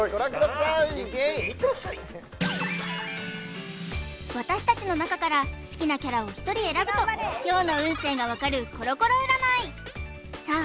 さあいけいってらっしゃい私たちの中から好きなキャラを１人選ぶと今日の運勢がわかるコロコロ占いさあ